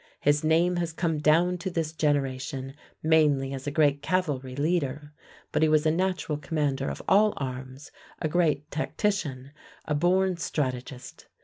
His name has come down to this generation mainly as a great cavalry leader, but he was a natural commander of all arms, a great tactician, a born strategist.